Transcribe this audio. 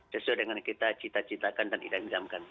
sesuai dengan kita cita citakan dan idam idamkan